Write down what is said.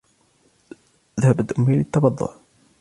ذهبت أمي للتبضع.